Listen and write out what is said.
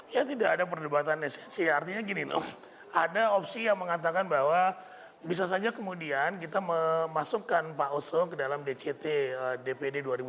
ya tidak ada perdebatan esensi artinya gini loh ada opsi yang mengatakan bahwa bisa saja kemudian kita memasukkan pak oso ke dalam dct dpd dua ribu dua puluh